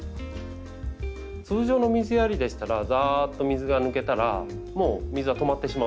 通常の水やりでしたらざっと水が抜けたらもう水は止まってしまう。